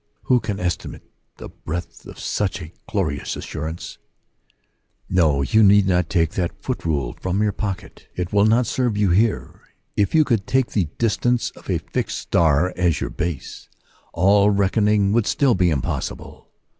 Who can estimate the breadth of such a gracious assurance ? No, you need not take that foot rule from your pocket : it will not serve 68 According to the Promise. you here. If you could take the distance of a fixed star as your base, all reckoning would still be impossible.